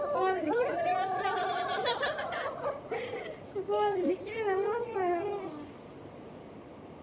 ここまでできるようになりました。